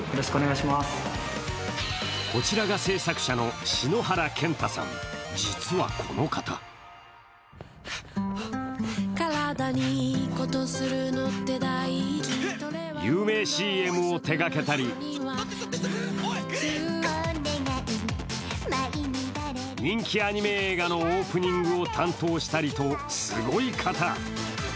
こちらが制作者の篠原健太さん、実はこの方有名ＣＭを手がけたり人気アニメ映画のオープニングを担当したりと、すごい方。